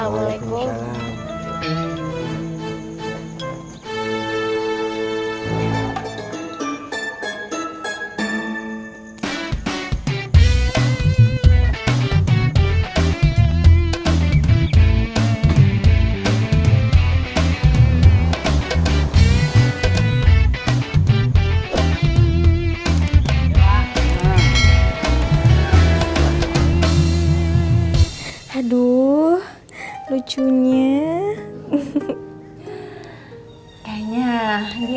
mau bagiin undangan ya